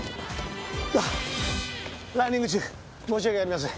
あっランニング中申し訳ありません。